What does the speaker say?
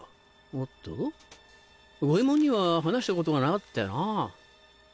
おっと五ェ門には話したことがなかったよな。